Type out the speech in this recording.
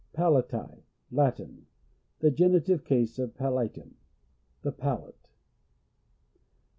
Palati. — Latin. (The genitive case of palatum.) The palate.